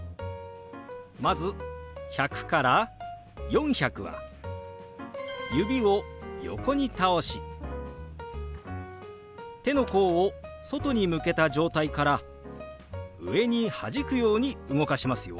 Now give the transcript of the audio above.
まず１００から４００は指を横に倒し手の甲を外に向けた状態から上にはじくように動かしますよ。